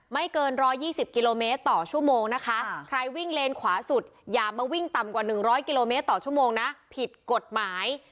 ไม่เกิน๑๒๐กิโลเมตรต่อชั่วโมงนะคะใครวิ่งเลนขวาสุดอย่ามาวิ่งต่ำกว่า๑๐๐กิโลเมตรต่อชั่วโมงนะผิดกฎหมาย